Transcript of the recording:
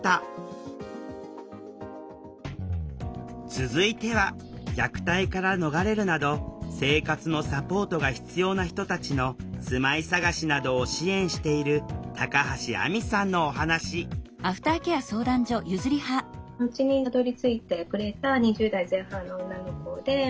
続いては虐待から逃れるなど生活のサポートが必要な人たちの住まい探しなどを支援している高橋亜美さんのお話また自分が責められるようなと言われ契約した女性。